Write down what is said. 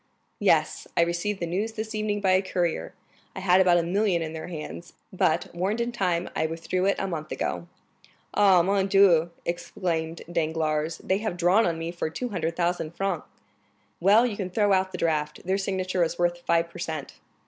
"Yes; I received the news this evening by a courier. I had about a million in their hands, but, warned in time, I withdrew it a month ago." "Ah, mon Dieu!" exclaimed Danglars, "they have drawn on me for 200,000 francs!" "Well, you can throw out the draft; their signature is worth five per cent."